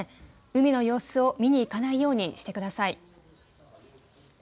海の様子を見に行かないようにしてください。